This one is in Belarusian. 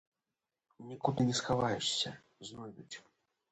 Нікуды не схаваешся, знойдуць.